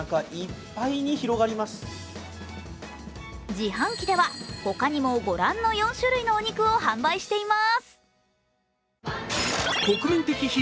自販機では他にもご覧の４種類のお肉を販売しています。